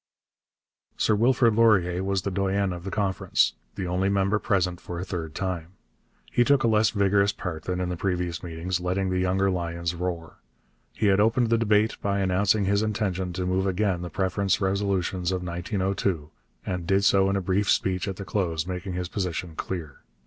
Sir Wilfrid Laurier was the doyen of the Conference, the only member present for a third time. He took a less vigorous part than in the previous meetings, letting the younger lions roar. He had opened the debate by announcing his intention to move again the preference resolutions of 1902, and did so in a brief speech at the close, making his position clear.